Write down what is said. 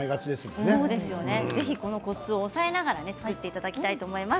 このコツを押さえながら作っていただきたいと思います。